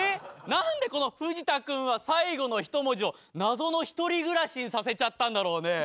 何でこの藤田君は最後のひと文字を謎の１人暮らしにさせちゃったんだろうね。